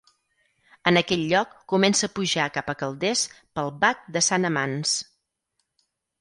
En aquell lloc comença a pujar cap a Calders pel Bac de Sant Amanç.